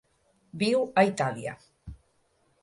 Viu a Itàlia.